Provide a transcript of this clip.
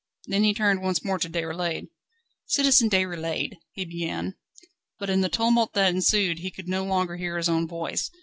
Then he turned once more to Déroulède. "Citizen Déroulède ..." he began. But in the tumult that ensued he could no longer hear his own voice.